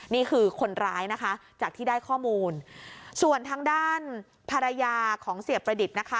นี่คือคนร้ายนะคะจากที่ได้ข้อมูลส่วนทางด้านภรรยาของเสียประดิษฐ์นะคะ